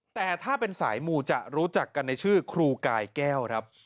แต่ถ้าเป็นสายมูจะรู้จักกันในชื่อครูกายแก้วครับ